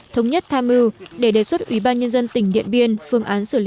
thống nhất tham mưu để đề xuất ủy ban nhân dân tỉnh điện biên phương án xử lý